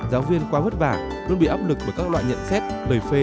giáo viên quá vất vả luôn bị áp lực bởi các loại nhận xét lời phê